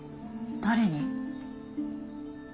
誰に？